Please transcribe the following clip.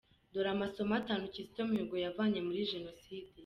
Dore amasomo atanu Kizito Mihigo yavanye muri Jenoside :.